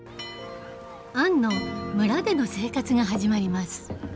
アンの村での生活が始まります。